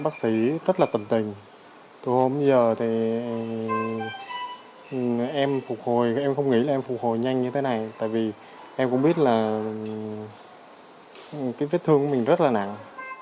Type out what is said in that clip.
cái vết thương của mình rất là nặng